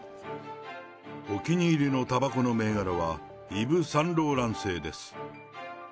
お気に入りのたばこの銘柄は、イヴ・サンローラン製です。